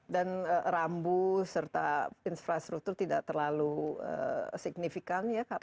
dan rambu serta infrastruktur tidak terlalu signifikan ya